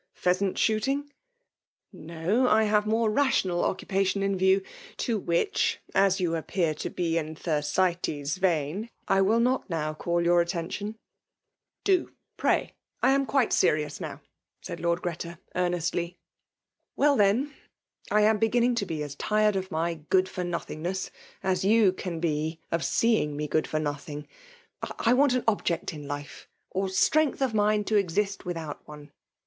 — Pheasant shooting ?"No !— ^I have more rational occupation in view; to which* as you appear to be in Ther atea' vein, I will not now call your aitention." Ho, pray !— ^I am quite sexioos now/' sud Lord 6reta> earnestly. *^ Well, iheik, I am beginning to be as tired of my good for nothingness as you can be of seeing me good for nothing — I want an object in life, or strength of mind to exist without one.